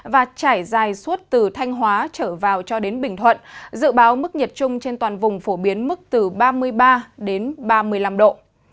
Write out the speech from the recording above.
và trải dài suốt từ thanh hóa trở vào cho đến bình thuận dự báo mức nhiệt trung trên toàn vùng phổ biến mức từ ba mươi ba đến ba mươi năm độ